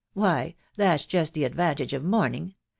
• why, that's just the advantage of mourning.